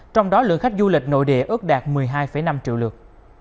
trong đó lượng khách du lịch nội địa ước đạt một mươi hai năm triệu lượt